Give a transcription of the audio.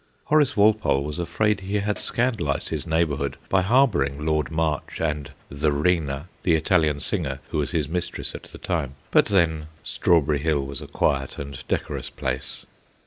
Horace Walpole was afraid he had scandalised his neighbourhood by har bouring Lord March and c the Rena,' the Italian singer who was his mistress at the time ; but then Strawberry Hill was a quiet and decorous place.